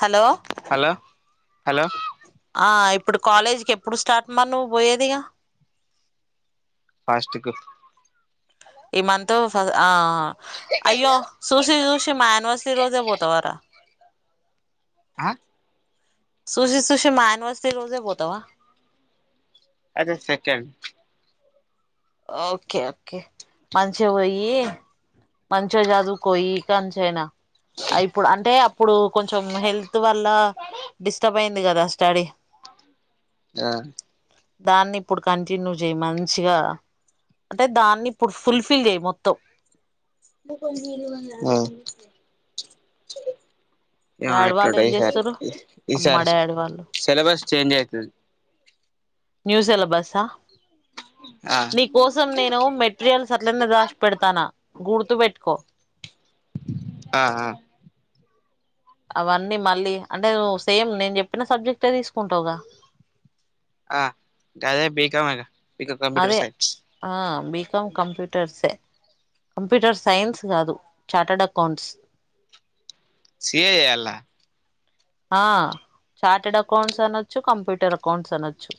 Hello hello hello ఆ ఇప్పుడు కాలేజీకి ఎప్పుడు స్టార్ట్ మ నువ్వు పోయేదిగా ఫస్టుకు ఈ మంతు ఆ అయ్యో చూసి చూసి మా యానివర్సరీ రోజే పోతావారా ఆ సుషీ సుషీ మా యానవర్సీ రోజే పోతవా ఆగస్టు సెకండ్ ఓకే ఓకే మంచిగా పోయి మంచిగా చదువుకో ఈకాంచైనా ఇప్పుడు అంటే ఆప్పుడు కొంచెం హెల్త్ వల్ల డిస్టర్బ్ అయింది కదా స్టడీ ఆ దాన్ని ఇప్పుడు కంటిన్యూ చేయి మంచిగా అంటే దాన్ని ఇప్పుడు ఫుల్ ఫిల్ చేయి మొత్తం ఆ ఏమో డాడీ వాళ్ళు ఎట్లుంటాదో ఏం ఈ చేస్తురు సారి మా ఈసారి డాడీ వాళ్ళు సిలబస్ చేంజ్ అయితది న్యూ సిలబస్స ఆ ఆ నీకోసం నేను మెట్ రియల్స్ అట్లన్న రాసి పెడతాన్న గుర్తు పెట్టుకో ఆ ఆ అవన్నీ మళ్ళీ అంటే నువ్ సేమ్ నేన్ జెప్పిన సబ్జెక్టె తీసుకుంటవుగా ఆ గదే బి కామ్ గద బి కం కంప్యూటర్ అదే సైన్స్ ఆ బి కమ్ కంప్యూటర్స్ ఏ కంప్యూటర్ సైన్స్ గాదు చార్టర్డ్ అకౌంట్స్ సి ఎ జేయాళ్ల ఆ చార్టెడ్ అకౌంట్స్ అనొచ్చు, కంప్యూటర్ అకౌంట్స్ అనొచ్చు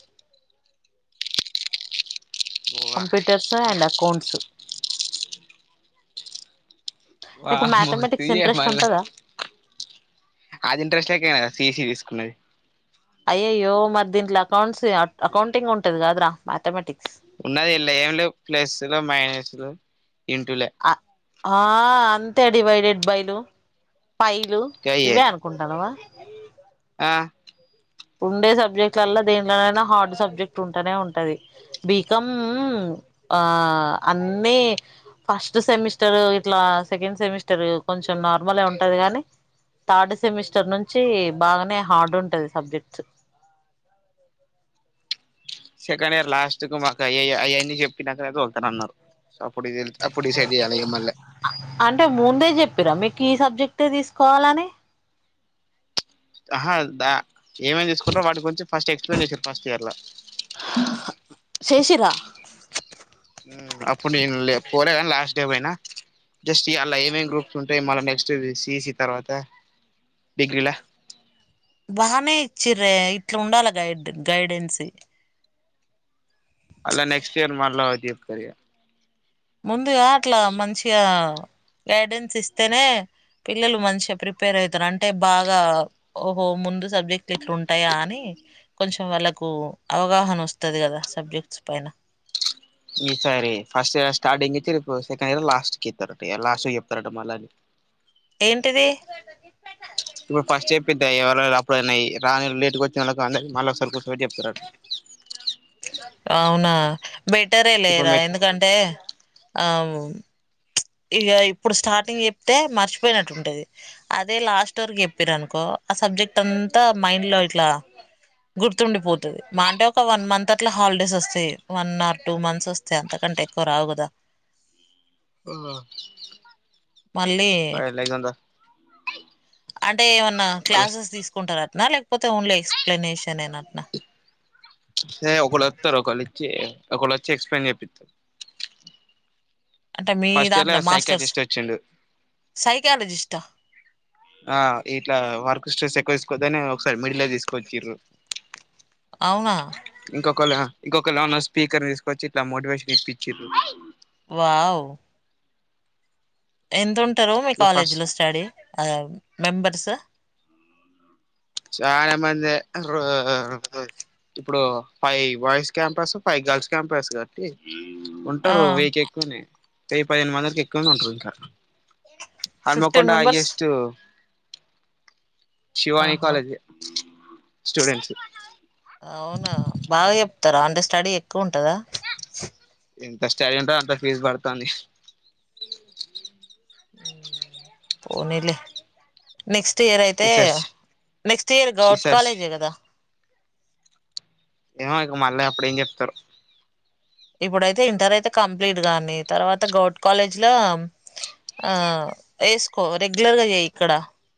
కంప్యూటర్స్ అండ్ అకౌంట్స్ నీకు వామ్మో సీ మ్యాథమెటిక్స్ ఏ ఇంట్రెస్ట్ మల్ల ఉంటదా అది ఇంట్రెస్ట్ లేకనే గద సీ ఈ సి తీసుకున్నది అయ్యయ్యో మరి దీంట్ల అకౌంట్స్ అకౌంటింగ్ ఉంటది గాదురా మ్యాథమెటిక్స్ ఉన్నది ఇళ్ల ఏం లేవ్ ప్లస్సులు, మైనస్లు, ఇంటూలే అ ఆ అంతే డివైడెడ్ బైలు, పైలు గయ్యే ఇవే అనుకక్ కుంటానవా ఆ ఉండే సబ్జెక్టులల్లా దేంట్లనైనా హార్డ్ సబ్జెక్ట్ ఉంటనే ఉంటది బీ కం ఆ అన్ని ఫస్ట్ సెమిస్టర్ ఇట్లా సెకండ్ సెమిస్టర్ కొంచెం నార్మలే ఉంటది గని థర్డ్ సెమిస్టర్ నుంచి బాగనే హార్డ్ ఉంటది సబ్జెక్ట్ స్ సెకండ్ ఇయర్ లాస్ట్ కు మాకు అయయ్య అయన్నీ చెప్పినాకనే తోల్తనన్నరు సప్పుడుదెల్త్ అప్పుడు డిసైడ్ జేయాలిగ మళ్ళ అంటే ముందే చెప్పిర్రా మీకు ఈ సబ్జెక్టే తీసుకోవాలని ఆహా దా ఏమేం దీసుకుంటరో వాటి గురించి ఫస్ట్ ఎక్స్ప్లెయిన్ చేసిర్రు ఫస్ట్ ఇయర్ ల చేశిర్రా అప్పుడు నేను లే పోలేగని లాస్ట్ డే పోయిన జస్ట్ ఇ అల్ల ఏమేం గ్రూప్స్ ఉంటయి మళ్ళ నెక్స్ట్ ది సి ఈ సి తర్వాత డిగ్రీ లా బానే ఇచ్చిర్రే ఇట్ల ఉండాల గైడ్ గైడెన్సి మల్ల నెక్స్ట్ ఇయర్ మల్లా ఒకటి చెప్తరిగా ముందుగా అట్లా మంచిగా గైడెన్స్ ఇస్తనే పిల్లలు మంచిగ ప్రిపేర్ అయితరు అంటే బాగా ఓహో ముందు సబ్జెక్ట్లు ఇట్లుంటయా అని కొంచెం వాళ్ళకు అవగాహన వస్తది గదా సబ్జెక్ట్స్ పైన ఈ సారి ఫస్ట్ ఇయర్ స్టార్టింగ్ ఇచ్చిర్ ఇపుడు సెకండ్ ఇయర్ లాస్ట్కి ఇత్తరట ఇగ లాస్ట్ కి చెప్తరట మళ్ళన్ని ఏంటిది నువ్ ఫస్ట్ చెప్పిద్దే ఎవరన అప్పుడైన ఇ రానొళ్ళు లేటుగొచ్చినొల్లకు అందర్కి మళ్ళ ఒకసారి కూర్చొబెట్టి చెప్తరట అవునా బెటరే ఇప్పుడు లేరా ఎందుకంటే ఆ ఇగా ఇప్పుడు స్టార్టింగ్ చెప్తే మర్చిపోయినట్టు ఉంటది అదే లాస్ట్ వరక్ చెప్పిరనుకో ఆ సబ్జెక్ట్ అంతా మైండ్ లో ఇట్లా గుర్తుండిపోతది మా అంటే ఒక వన్ మంత్ అట్ల హాలిడేస్ వస్తయి వన్ ఆర్ టూ మంత్స్ వస్ త్స్ అంతకంటే ఎక్కువ రావుగదా అవునా మళ్ళీ లెగొండ్ర అంటే ఏమన్నా క్లాసెస్ వాళ్ళస్తే తీసుకుంటరట్న లేకపోతే ఓన్లీ ఎక్స్ప్లెనేషన్ ఏనట్నా హే ఒకళత్తరు ఒకలిచ్చి ఒకళచ్చి ఎక్స్ప్లెన్ చెపిత్తరు అంటే మీ ఫస్ట్ ఇయర్ లో దాంట్లో మాస్టర్స్ సైకాటిస్ట్ వచ్చిండు సైకాలజిస్ట్ ఆ ఇట్లా వర్క్ స్ట్రెస్ ఎక్కువ తీసుకోద్దనే ఒకసారి మిడిల్ తీసుకోవచ్చిరు అవునా ఇంకొకల ఇంకొకలోన్ స్పీకర్ తీసుకొచ్చి ఇట్లా మోటివేషన్ ఇప్పించారు వావ్ ఎంత ఉంటారు మీ ఇక కాలేజీ ఫస్ట్ లో స్టడీ అదే మెంబర్స్ చాలా మందే అసలు ఇప్పుడు five boys campus five girls campus గా ఆ ఉంటారు వెయ్యికి ఎక్కువనే వెయ్యి పదిహేను వందలకి ఎక్కువనే ఉంటారు ఇంకా Hanamkonda fifteen members highest Shivani ఆహా కాలేజీ స్టూడెంట్స్ అవునా బాగా చెప్తారా అంటే స్టడీ ఎక్కువ ఉంటందా ఎంత స్టడీ ఉంటుందో అంత ఫీజ్ పడుతుంది పోనీలే నెక్స్ట్ ఇయర్ అయితే ఈ సారి నెక్స్ట్ ఇయర్ గౌట్ ఈసారి కాలేజే కదా ఏమో ఇక మళ్ళీ అప్పుడు ఏం చెప్తారు ఇప్పుడైతే ఇంటర్ అయితే కంప్లీట్ గాని తర్వాత గౌట్ కాలేజ్ లో ఆ వేసుకో రెగ్యులర్గా చేయి ఇక్కడ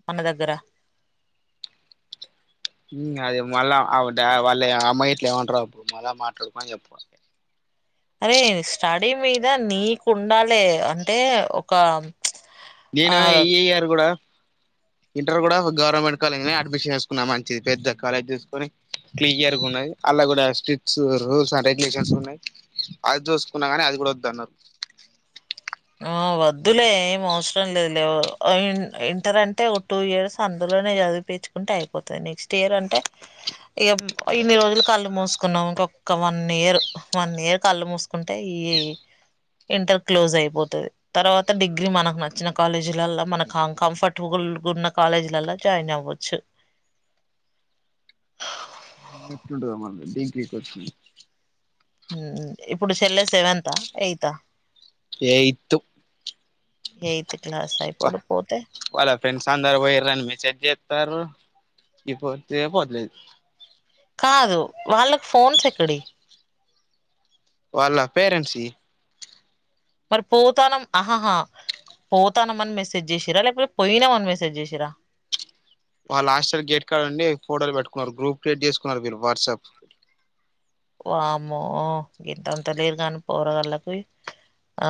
మన దగ్గర అది మళ్ళా వాళ్ళ అమ్మాయి ఇట్లు ఏమంటారో అప్పుడు మళ్ళా మాట్లాడుకోని చెప్పాలి అరే స్టడీ మీద నీకు ఉండాలి అంటే ఒక ఆ నేను ఇ ఇయర్ కూడా ఇంటర్ కూడా గవర్నమెంట్ కాలేజ్లోనే అడ్మిషన్ వేసుకున్నా మంచిది పెద్ద కాలేజ్ తీసుకొని క్లియర్గున్నాయి అలా కూడా స్ట్రిట్స్ రూల్స్ అ రెగ్యులేషన్స్ ఉన్నాయి అది చూసుకున్నా కానీ అది కూడా వద్దన్నారు ఆ వద్దులే ఏం అవసరం లేదు లేవు ఇంటర్ అంటే ఒక టూ ఇయర్స్ అందులోనే చదివి తెచుకుంటే అయిపోతుది నెక్స్ట్ ఇయర్ అంటే ఇక ఇన్ని రోజులు కళ్ళు మూసుకున్నావ్ ఇంకొక్క వన్ ఇయర్ వన్ ఇయర్ కళ్ళు మూసు కుంటే ఈ ఇంటర్ క్లోజ్ అయిపో తది తర్వాత డిగ్రీ మనకు నచ్చిన కాలేజీలల్లా మనకు కంఫర్ట్బుల్ ఉన్న కాలేజ్లల్లో జాయిన్ అవ్వచ్చు ఎట్లుంటదో మనకి ఫ్రీ సీట్ వచ్చింది హుమ్ ఇప్పుడు చెల్లె సెవెంతా ఎయితా ఎయీత్తు ఎయిత్ క్లాసా ఇప్పుడు పోతే వాళ్ళ ఫ్రెండ్స్ అందరు పొయ్యిండ్రని మీ చెట్ చేస్తారు ఇ పొద్దేపోలేదు కాదు వాళ్ళకి ఫోన్స్ ఎక్కడియి వాళ్ళ పేరెంట్సి మరి పోతానం ఆహాహా పోతానం అని మెసేజ్ చేసిరా లేకపోతే పోయినామని మెసేజ్ చేసిరా వాళ్ళ హస్టైల్ గేట్ కార్డ్ కాడ ఉండి ఫోటోలు పెట్టుకున్నారు గూప్ క్రియేట్ చేసుకున్నారు మీరు వాట్సాప్ వామో గింతతంత లేరు గానీ పోరగాళ్ళకి ఆ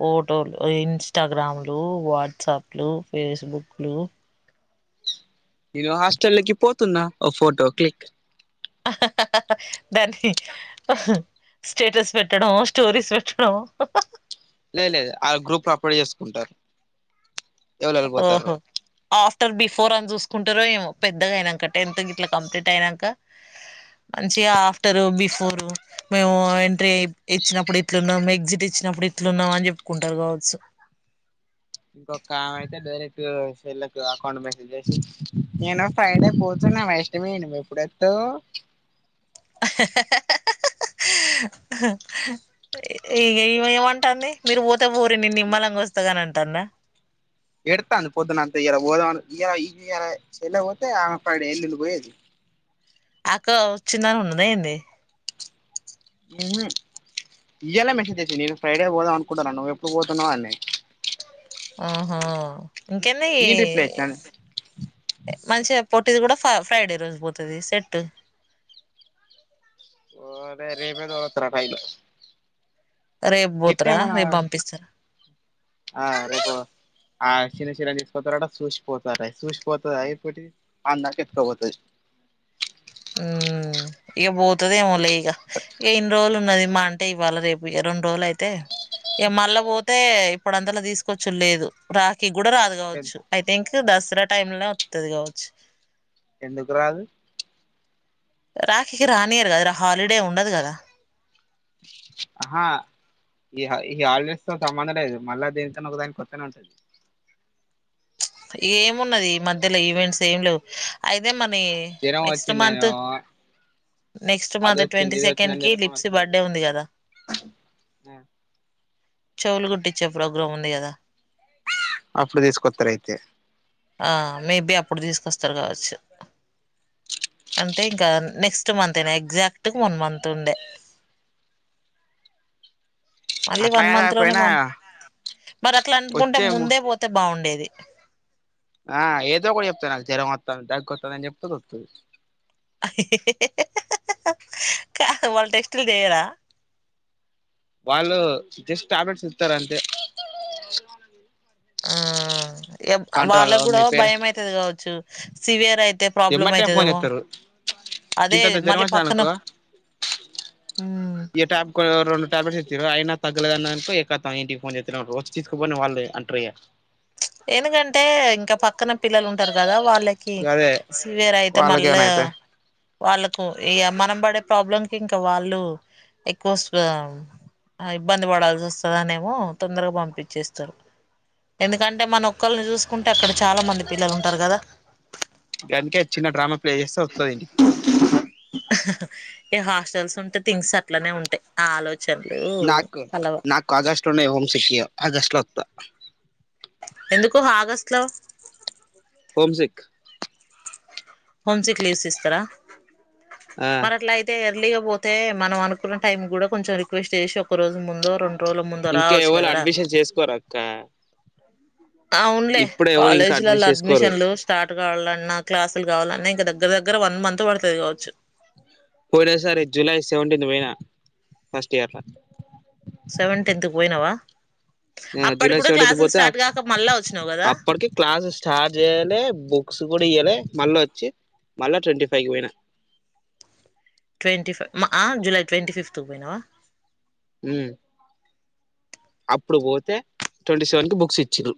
ఫోటోలు ఇన్స్టాగ్రామ్లు వాట్సాప్లు ఫేస్బుక్లు నేను హాస్టల్లోకి పోతున్నా ఓ ఫోటో క్లిక్ దానితో హు స్టేటస్ పెట్టడం స్టోరీస్ పెట్టడం లేదు లేదు ఆ గ్రూప్ లో అప్డేట్ చేసుకుంటారు. ఎవరెవరు పోతారో ఆహా ఆఫ్టర్ బిఫోర్ అని చూసుకుంటారో ఏమో పెద్దగయిన్నాక టెన్త్ గిట్ల కంప్లీట్ అయిన్నాక మంచిగా ఆఫ్టరు బిఫోరు మేము ఎంట్రీ ఇచ్చినప్పుడు ఇట్లున్నాం ఎగ్జిట్ ఇచ్చినప్పుడు ఇట్లున్నాం అని చెప్పుకుంటార్ కావచ్చు ఒక ఆమె అయితే డైరెక్ట్ వీళ్లకు అకౌంట్ మెసేజ్ చేసి [inaudible] నేను ఫ్రైడే పోతున్నా వై ఏమైంది పెద్దత్తో ఇగ ఈమె ఏమంటాంది మీరు పోతే పొర్రి నేన్ నిమ్మలంగా వస్తాగని అంటందా ఎడ్తాంది పొద్దునంత ఇయల పోదమని ఇయల ఇయల [unintelligible] అక్క వచిందని ఉన్నదా ఏంది ఇయ్యాల్నే మెసేజ్ చేసిం [inaudible] నేను ఫ్రైడే పోదాం అనుకుంటున్నాన నువ్వు ఎప్పుడు పోతున్నావు అని ఆహ ఇంకేంది నేను రిప్లై ఇచ్చినాను మంచిగా పొట్టిది కుడా ఫ ఫ్రైడే రోజు పోతది సెట్ ఓ రేపే తో [unintelligible] టైల్ రేపు గిట్నే పోతారా మన రేపు పంపిస్తారా ఆ రేపు ఆ చిరా చిరాల్ తీస్కొత్తరట చూసిపోతాదట చూసిపోతాదా ఈ పొట్టిది అందాక ఎత్కాపోతది మ్మ్ ఇగ పోతదెమోలే ఇగ ఇన్ని రోలు ఉన్నది మా అంటే ఇవ్వాల రేపు ఇగ రెండ్ రోల్ అయితే ఇగ మళ్ళ పోతే ఇప్పుడంతలో తీస్కొచ్చుడ్ లేదు రాఖీ కుడా రాదు కావచ్చు ఐ థింక్ దసర టైమ్ లో వత్తది కావచ్చు ఎందుకు రాదు రాఖికి రానియర్ కదరా హాలిడే ఉండద్ కదా ఆహా ఈ ఈ హాలిడేస్ తో సంబంధం లేదు మళ్ళా దేని కన్న ఒక దానికి వత్తనే ఉంట ఏమున్నది ఈ మధ్యల ఈవెంట్స్ ఏం లేవు అయితేే మరీ జ్వరం నెక్స్ట్ మంత్ వచ్చిందనో నెక్స్ట్ అది మంత్ ట్వంటీ సెకండ్ కి లిప్స్ బర్డే ఉంది కదా ఆ చెవులు కుట్టించే ప్రోగ్రామ్ ఉంది కదా అప్పుడు తీస్కొత్తరయితే ఆ మేబి అప్పుడు తీసుకొస్తరు కావచ్చు అంటే ఇంకా నెక్స్ట్ మంతేయినా ఎగ్జాక్ట్ వన్ మంత్ ఉండే [inaudible] మళ్ళీ అట్లా వన్ మంత్ లోనే కాకపోయినా పం మరి అట్లన్కుంటే వచ్చే ముందే పో అంత బాగుండేది ఆ ఏదోకోకటి చెప్త నాక్ జ్వరం వతాంది దగ్గొతాంది అని చెప్తే వత్తది కాదు వాళ్ళు టెస్టులు చేయరా వాళ్ళు జస్ట్ టాబ్లెట్స్ ఇస్తరు అంతే ఆ ఏప్ కంట్రోల్ వాళ్ళ కుడా మీ పేరు భయం అయితది కావచ్చు సివియర్ అయి ప్రాబ్లం ఎమ్మటే ఫోన్ అయితదేమో చేస్తారు అదే గింతంత జ్వరం మళ్ళీ వచ్చింది పక్కన అనుకో మ్మ్ ఈ ట్యాప్కొ రెండు టాబ్లెట్స్ ఇచిండ్రు అయినా తగ్గలేదన్న అనుకో ఇగ కతం ఇంటికి ఫోన్ చేత్తనే ఉంట్రు వచ్చి తీసుకుపోని వాళ్ళు అంట్రు ఇగ ఎందుకంటే ఇంకా పక్కన పిల్లలు ఉంటరు కదా వాళ్ళకి గదే సివియరయితే వాళ్ళకేమైనా మళ్ళా అయితే వాళ్ళకు ఇగ మనం పడే ప్రాబ్లం ఇంక వాళ్ళు ఎక్కువ ఇబ్బంది పడాల్సి వస్తాదనేమో తొందరగా పంపిచ్చేస్తారు. దాంట్లో ఏమన్నా ఒక్కరిని చూసుకుంటే అక్కడ చాలా మంది పిల్లలుంటారు కదా గంద్ కే చిన్నడ్రామా ప్లే చేస్తే వత్తాది ఇంటికి ఈ హాస్టల్స్ ఉంటే థింగ్స్ అట్లనే ఉంటాయ్. ఆలోచనలు నాక్కో కలవ నాకు ఆగస్టులోనే హోం సిక్ ఇగ ఆగస్టులో వత్త ఎందుకు ఆగస్టు లో హోమ్సిక్ హోమ్ సిక్ లీవ్స్ ఇస్తారా ఆ మరట్లాయితే అయితే ఎర్లీగా పోతే మనం అనుకున్న టైం కూడా కొంచం రిక్వస్ట్ చేసి అప్ ఒక్క రోజు ముందో రొండు రోజుల ముందో రావచ్చు కదరా. నువ్ చేసుకోరాదు తా అవున్లే ఇప్పుడే ఎవరు ఇంకా కాలేజీలలో అడ్మిషన్ చేసుకోరు అడ్మిషన్లు స్టార్ట్ కావాలన్నా క్లాసులు కావాలన్నా ఇంకా దగ్గర దగ్గర వన్ మంత్ పడతాది కావచ్చు. ఒకటేసారి జూలై సెవెంటీన్త్ పోయినా ఫస్ట్ ఇయర్ లో సెవెంటీంత్ పోయినావా అప్పటికి జూలై కూడా సెవెంటీన్త్ క్లాసులు పోతే స్టార్ట్ కాక మళ్ళా వచ్చినావు కదా అప్పటికి క్లాస్ స్టార్ట్ చేయలే బుక్స్ కూడా ఇయ్యాలే మళ్ళ వచ్చి మళ్ళా ట్వంటీ ఫైవ్కి పోయిన ట్వంటీ ఫైవ్ మా జూలై ట్వంటీ ఫిఫ్త్కి పోయినావా మ్మ్ అప్పుడు పోతే ట్వంటీ సెవెన్ కి బుక్స్ ఇచ్చిరూ